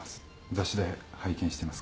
雑誌で拝見してますから。